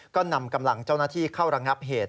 ก็นำกำลังเจ้าหน้าที่เข้าระงับเหตุ